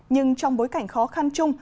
nhưng trong bối cảnh khó khăn